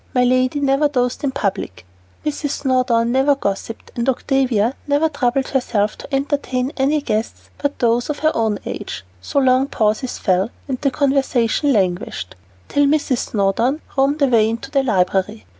My lady never dozed in public, Mrs. Snowdon never gossiped, and Octavia never troubled herself to entertain any guests but those of her own age, so long pauses fell, and conversation languished, till Mrs. Snowdon roamed away into the library.